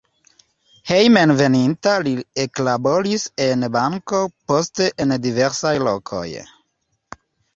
Hejmenveninta li eklaboris en banko, poste en diversaj lokoj.